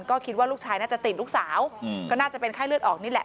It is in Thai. ก็คิดว่าลูกชายน่าจะติดลูกสาวก็น่าจะเป็นไข้เลือดออกนี่แหละ